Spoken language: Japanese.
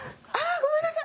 ごめんなさい！